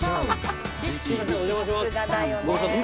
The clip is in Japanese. お邪魔します。